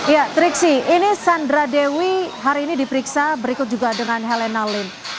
ya triksi ini sandra dewi hari ini diperiksa berikut juga dengan helena lim